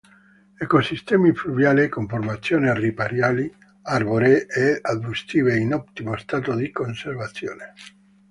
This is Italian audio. Ecosistemi fluviali con formazioni ripariali arboree ed arbustive in ottimo stato di conservazione.